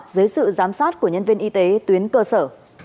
dưới sự giám sát của nhân viên y tế tuyến cơ sở